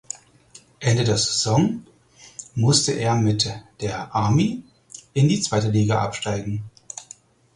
Ende der Saison musste er mit der "Army" in die zweite Liga absteigen.